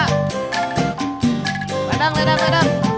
ledang ledang ledang